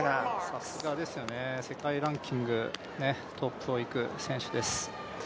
さすがですよね、世界ランキングトップをいく選手です。